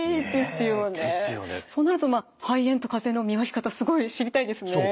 そうなると肺炎とかぜの見分け方すごい知りたいですね。